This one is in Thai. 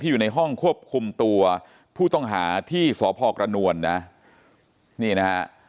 อยู่ในห้องควบคุมตัวผู้ต้องหาที่สพกระนวลนะนี่นะฮะ